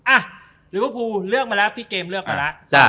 อ่ะธุรกิจบ๊ะพูเลือกมาแล้วพี่เกมเลือกมาแล้ว